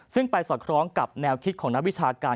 ซึ่งไปสอดคล้องกับแนวคิดของนักวิชาการ